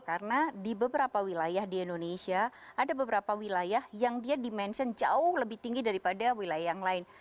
karena di beberapa wilayah di indonesia ada beberapa wilayah yang dia dimensiun jauh lebih tinggi daripada wilayah yang lain